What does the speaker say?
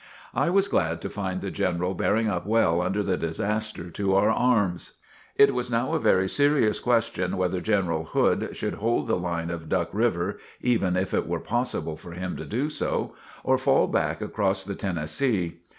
I was glad to find the General bearing up well under the disaster to our arms. It was now a very serious question whether General Hood should hold the line of Duck River, (even if it were possible for him to do so,) or fall back across the Tennessee.